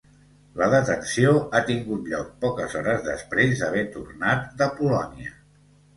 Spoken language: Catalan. La detenció ha tingut lloc poques hores després d’haver tornat de Polònia.